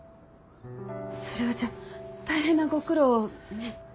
それはじゃあ大変なご苦労をね。